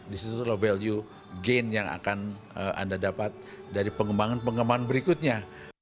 di situ adalah value gain yang akan anda dapat dari pengembangan pengembangan berikutnya